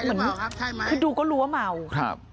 ใช่หรือเปล่าครับใช่ไหมคือดูก็รู้ว่าเมาครับ